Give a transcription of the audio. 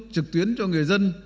trực tuyến cho người dân